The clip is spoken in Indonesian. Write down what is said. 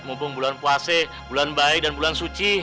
mumpung bulan puase bulan baik dan bulan suci